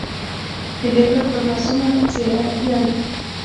هیلۍ پر خپل معصوم څېره ویاړي